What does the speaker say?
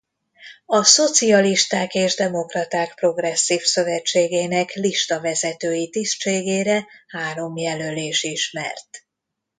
A Szocialisták és Demokraták Progresszív Szövetségének listavezetői tisztségére három jelölés ismert.